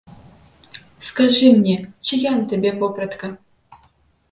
Скажы мне, чыя на табе вопратка?